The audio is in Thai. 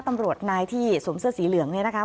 ตำรวจนายที่สวมเสื้อสีเหลืองเนี่ยนะคะ